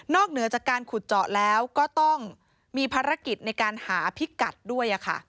เหนือจากการขุดเจาะแล้วก็ต้องมีภารกิจในการหาพิกัดด้วย